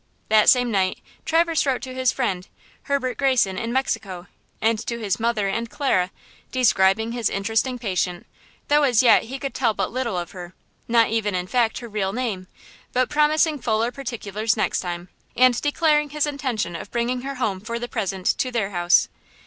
That same night Traverse wrote to his friend, Herbert Greyson, in Mexico, and to his mother and Clara, describing his interesting patient, though as yet he could tell but little of her, not even in fact her real name, but promising fuller particulars next time, and declaring his intention of bringing her home for the present to their house.